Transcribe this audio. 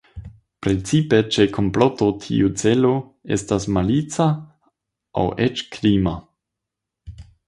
Precipe ĉe komploto tiu celo estas malica aŭ eĉ krima.